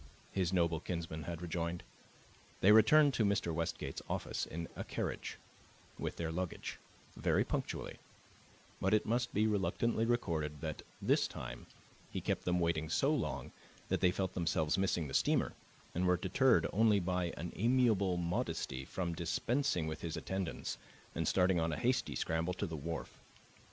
his noble kinsman had rejoined. They returned to Mr. Westgate's office in a carriage, with their luggage, very punctually; but it must be reluctantly recorded that, this time, he kept them waiting so long that they felt themselves missing the steamer, and were deterred only by an amiable modesty from dispensing with his attendance and starting on a hasty scramble to the wharf.